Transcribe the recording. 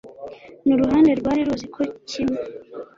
n uruhande rwari ruzi ko kimwe